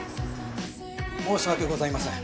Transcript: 申し訳ございません。